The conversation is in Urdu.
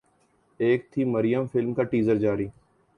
ایک تھی مریم فلم کا ٹیزر جاری